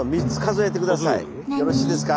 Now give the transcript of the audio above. よろしいですか？